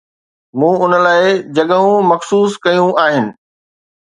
مون ان لاءِ جڳھون مخصوص ڪيون آھن.